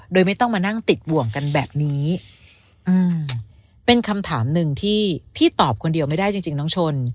โดยไม่ต้องมานั่งติดห่วงกันแบบนี้เป็นคำถามหนึ่งที่พี่ตอบคนเดียวไม่ได้จริงจริงน้องชน